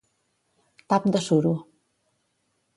Tap de suro.